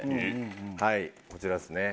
はいこちらですね。